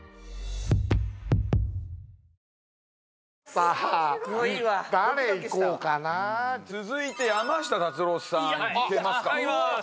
さあ誰いこうかな続いて山下達郎さんいけますかはいいけまーす